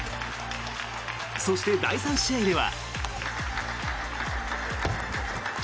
そして、第３試合では。